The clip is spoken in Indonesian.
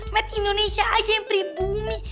mat indonesia aja yang pribumi